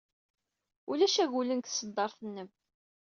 Ulac agulen deg tṣeddart-nnem.